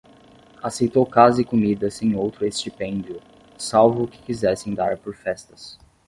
aceitou casa e comida sem outro estipêndio, salvo o que quisessem dar por festas.